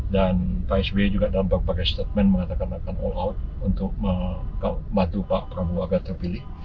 dan pak sby juga dalam beberapa statement mengatakan akan all out untuk membantu pak prabowo agar terpilih